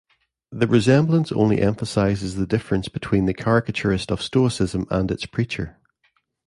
The resemblance only emphasizes the difference between the caricaturist of Stoicism and its preacher.